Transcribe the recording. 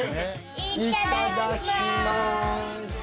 いただきます！